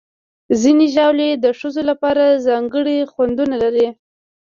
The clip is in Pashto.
ځینې ژاولې د ښځو لپاره ځانګړي خوندونه لري.